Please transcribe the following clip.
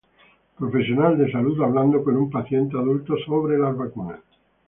Profesional de salud hablando con un paciente adulto sobre las vacunas.